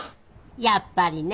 やっぱりね。